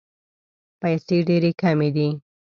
پیسې ډېري کمي دي.